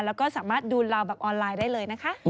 แล้วก็สามารถดูเราแบบออนไลน์ได้เลยนะคะ